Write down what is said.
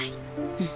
うん。